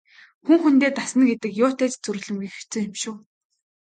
Хүн хүндээ дасна гэдэг юутай ч зүйрлэмгүй хэцүү юм шүү.